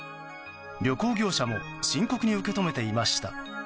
旅行業者も深刻に受け止めていました。